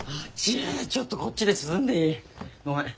ちょっとこっちで涼んでいい？ごめん。